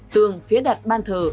tường phía đặt ban thờ